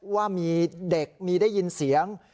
ว่ามีเด็กมีได้ยินเสียง